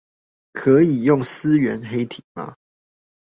可以用思源黑體嗎